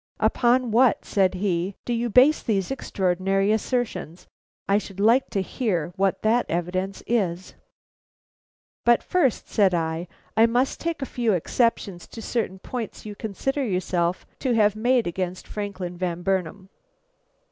"Upon what," said he, "do you base these extraordinary assertions? I should like to hear what that evidence is." "But first," said I, "I must take a few exceptions to certain points you consider yourself to have made against Franklin Van Burnam.